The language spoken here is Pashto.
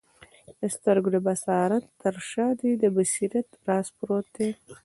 د سترګو د بصارت تر شاه دي د بصیرت راز پروت دی